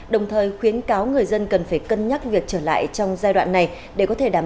đồng thời khuyến cáo người dân cần phải cân nhắc việc trở lại trong giai đoạn này để có thể đảm